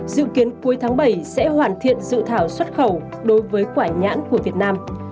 dự kiến cuối tháng bảy sẽ hoàn thiện dự thảo xuất khẩu đối với quả nhãn của việt nam